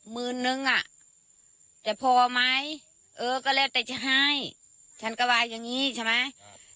หมื่นนึงอ่ะจะพอไหมเออก็แล้วแต่จะให้ฉันก็ว่าอย่างนี้ใช่ไหม